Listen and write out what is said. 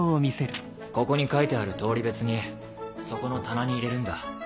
ここに書いてある通り別にそこの棚に入れるんだ。